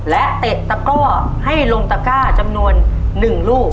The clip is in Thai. และเป็ดตะก้อให้ลงตะก้าจำนวน๑ลูก